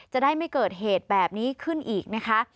จะได้ไม่เกิดเหตุแบบนี้ขึ้นอีกนะคะ